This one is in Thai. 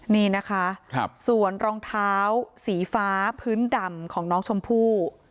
นี่นะคะส่วนรองเท้าสีฟ้าพื้นดำของน้องชมพู่